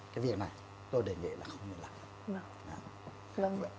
cái việc này tôi đề nghệ là không được nặng